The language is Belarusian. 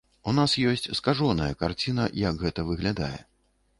У нас ёсць скажоная карціна, як гэта выглядае.